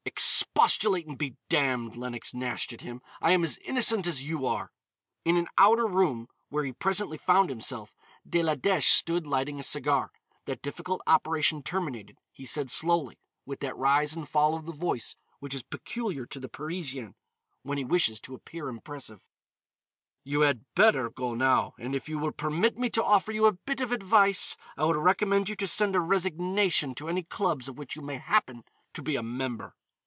"Expostulate and be damned," Lenox gnashed at him. "I am as innocent as you are." In an outer room, where he presently found himself, De La Dèche stood lighting a cigar; that difficult operation terminated, he said, slowly, with that rise and fall of the voice which is peculiar to the Parisian when he wishes to appear impressive: "You had better go now, and if you will permit me to offer you a bit of advice, I would recommend you to send a resignation to any clubs of which you may happen to be a member."